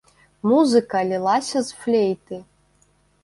Музыка лілася з флейты.